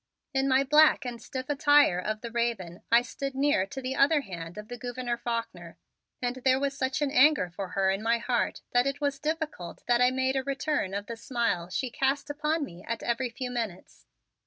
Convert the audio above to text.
In my black and stiff attire of the raven I stood near to the other hand of the Gouverneur Faulkner and there was such an anger for her in my heart that it was difficult that I made a return of the smile she cast upon me at every few minutes.